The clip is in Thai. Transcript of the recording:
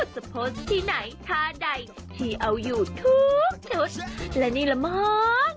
จะโพสต์ที่ไหนท่าใดที่เอาอยู่ทุกชุดและนี่แหละมั้ง